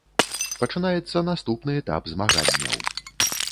Пачынаецца наступны этап змаганняў.